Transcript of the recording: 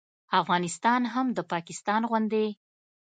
افغانستان هم د پاکستان غوندې